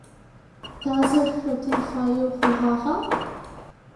Тазыр шъутын фаеу хъугъагъа?